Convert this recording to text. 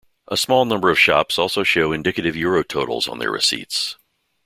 A small number of shops also showed indicative euro totals on their receipts.